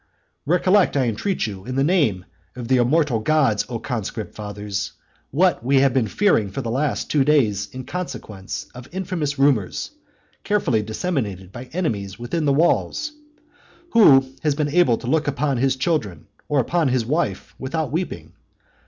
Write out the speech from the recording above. Recollect, I entreat you, in the name of the immortal gods, O conscript fathers, what we have been fearing for the last two days, in consequence of infamous rumours carefully disseminated by enemies within the walls. Who has been able to look upon his children or upon his wife without weeping?